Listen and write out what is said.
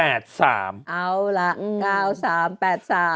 เอ้าละ๙๓๘๓ค่ะ